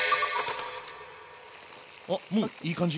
あっもういい感じ？